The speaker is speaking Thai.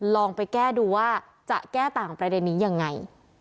ลองไปแก้ดูว่าจะแก้ต่างประเด็นนี้ยังไง